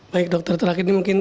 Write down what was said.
baik dokter terakhir ini mungkin